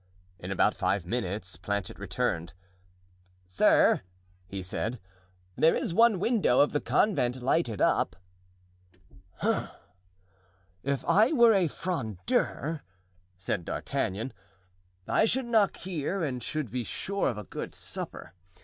In about five minutes Planchet returned. "Sir," he said, "there is one window of the convent lighted up." "Hem! If I were a 'Frondeur,'" said D'Artagnan, "I should knock here and should be sure of a good supper.